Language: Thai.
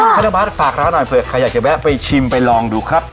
ถ้าน้องบาทฝากร้านหน่อยเผื่อใครอยากจะแวะไปชิมไปลองดูครับ